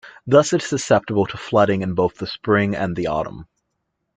Thus it is susceptible to flooding in both the spring and the autumn.